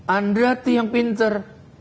anda itu yang pinter